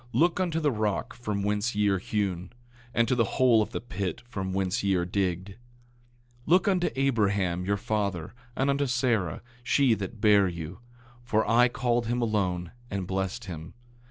Look unto the rock from whence ye are hewn, and to the hole of the pit from whence ye are digged. 8:2 Look unto Abraham, your father, and unto Sarah, she that bare you; for I called him alone, and blessed him.